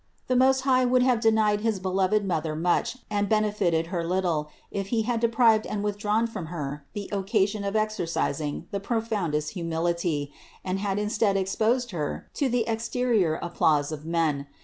The Most High would have denied his beloved Mother much and benefited Her little, if He had deprived and withdrawn from Her the occasion of exercising the profoundest humility and had instead exposed Her to the exterior applause of men.